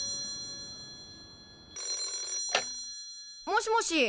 ☎もしもし。